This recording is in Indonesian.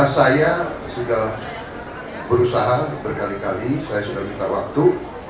saya sudah berusaha berkali kali saya sudah minta waktu